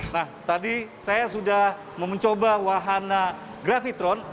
nah tadi saya sudah mau mencoba wahana gravitron